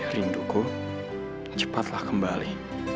rinduku cepatlah kembali